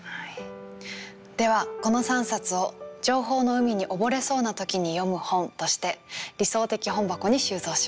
ではこの３冊を「情報の海に溺れそうな時に読む本」として理想的本箱に収蔵します。